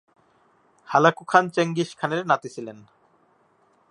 Hulagu Khan Genghis খানের নাতি ছিলেন।